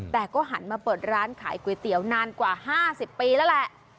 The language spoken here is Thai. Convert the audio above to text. แต่ก็หันมาเปิดร้านขายก๋วยเตี๋ยวนานกว่า๕๐ปีแล้วแหละ